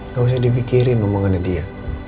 gak usah dipikirin ngomong sama dia